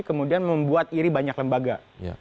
kemudian membuat iri banyak lembaga